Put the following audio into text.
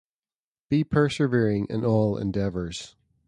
Be persevering in all endeavours.